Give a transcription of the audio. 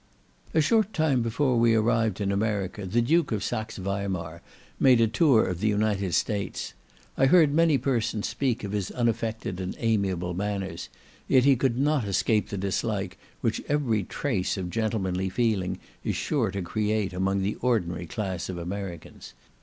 A short time before we arrived in America, the Duke of Saxe Weimar made a tour of the United States. I heard many persons speak of his unaffected and amiable manners, yet he could not escape the dislike which every trace of gentlemanly feeling is sure to create among the ordinary class of Americans.